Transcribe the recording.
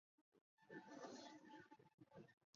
叶纸全缘或波状缘。